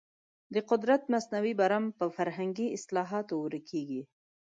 د قدرت مصنوعي برم په فرهنګي اصلاحاتو ورکېږي.